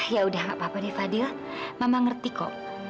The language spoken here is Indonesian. ya udah nggak apa apa fadil mama ngerti kok